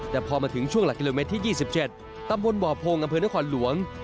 แต่พอมาถึงช่วงหลักกิโลเมตรที่๒๗ตำบลบ่อโพงอำเภอนครหลวง